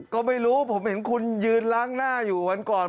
ก็ไม่รู้ผมเห็นคุณยืนล้างหน้าอยู่วันก่อน